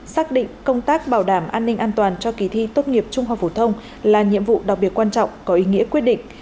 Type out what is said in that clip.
xác định công tác bảo đảm an ninh an toàn cho kỳ thi tốt nghiệp trung học phổ thông là nhiệm vụ đặc biệt quan trọng có ý nghĩa quyết định